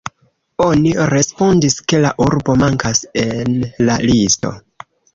Oni respondis, ke la urbo mankas en la listo.